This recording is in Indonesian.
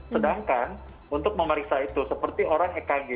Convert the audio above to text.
sedangkan untuk memeriksa itu seperti orang ekg